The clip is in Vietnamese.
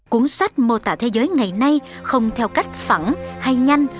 cuốn sách mô tả thế giới ngày nay không theo cách phẳng hay nhanh